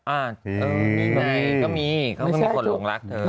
อ่านเออนี่ไงก็มีเขาก็มีคนหลงรักเธอ